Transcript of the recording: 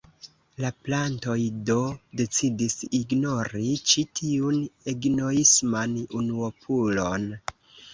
La plantoj do decidis ignori ĉi tiun egoisman unuopulon.